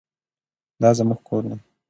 دا زموږ کور دی.